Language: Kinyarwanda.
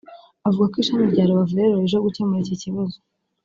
Avuga ko ishami rya Rubavu rero rije gukemura iki kibazo